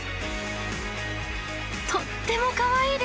とってもかわいいですね！